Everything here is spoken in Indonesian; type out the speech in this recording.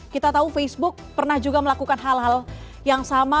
kita tahu facebook pernah juga melakukan hal hal yang sama